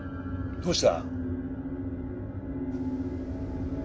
どうして！？